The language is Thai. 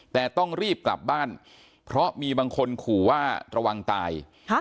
แต่ต้องรีบกลับบ้านเพราะมีบางคนขู่ว่าระวังตาย